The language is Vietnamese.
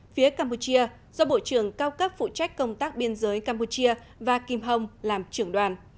phía campuchia do bộ trưởng cao cấp phụ trách công tác biên giới campuchia và kim hồng làm trưởng đoàn